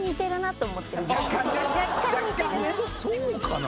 そうかな？